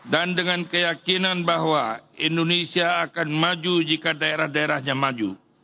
dan dengan keyakinan bahwa indonesia akan maju jika daerah daerahnya maju